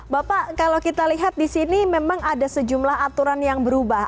bapak kalau kita lihat di sini memang ada sejumlah aturan yang berubah